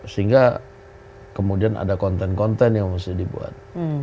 sehingga kemudian ada konten konten yang harus dibuat